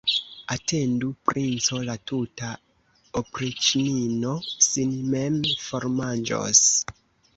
Atendu, princo, la tuta opriĉnino sin mem formanĝos.